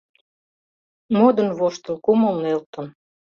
Модын-воштыл, кумыл нӧлтын